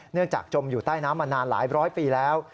จากจมอยู่ใต้น้ำมานานหลายร้อยปีแล้ว